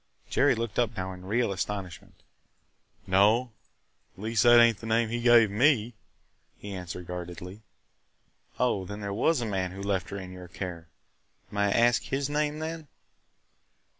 Jerry looked up now in real astonishment. "No; at least that ain't the name he gave me!" he answered guardedly. "Oh, then there was a man who left her in your care! May I ask his name, then?"